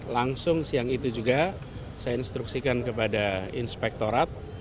langsung siang itu juga saya instruksikan kepada inspektorat